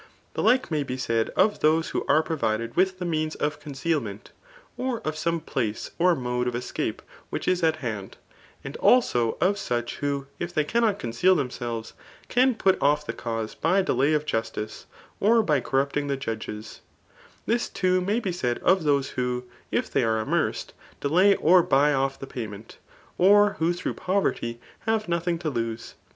] The like may be said of those who are pro^ Tided with the means of concealment, or of some pbce, or mode of escape which is at hand; and also of such, who if they cannot conceal themselves, can put off the cause by delay of jusdce, or by corrupting die judges; This too may^ be said of those who, if they are amerced, delay or buy off the payment, or who through poverty have nothing to lose.